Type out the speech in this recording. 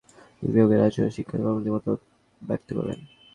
বিভাগীয় প্রধানেরা তাঁদের নিজ নিজ বিভাগের আধুনিক চিকিৎসা সম্পর্কে মতামত ব্যক্ত করেন।